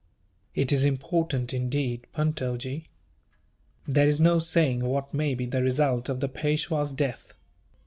"It is important, indeed, Puntojee. There is no saying what may be the result of the Peishwa's death.